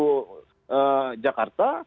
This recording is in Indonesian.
yang memiliki penggunaan kesehatan di jakarta